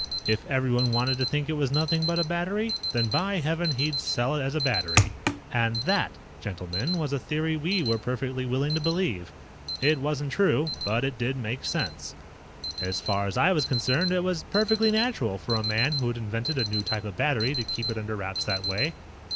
If everyone wanted to think it was 'nothing but a battery', then, by Heaven, he'd sell it as a battery. And that, gentlemen, was a theory we were perfectly willing to believe. It wasn't true, but it did make sense. "As far as I was concerned, it was perfectly natural for a man who had invented a new type of battery to keep it under wraps that way.